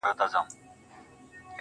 که ستا د قبر جنډې هر وخت ښکلول گلونه_